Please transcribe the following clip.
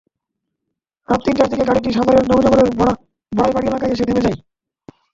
রাত তিনটার দিকে গাড়িটি সাভারের নবীনগরের বড়াইবাড়ি এলাকায় এসে থেমে যায়।